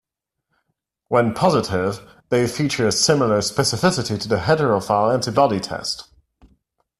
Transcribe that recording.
When positive, they feature similar specificity to the heterophile antibody test.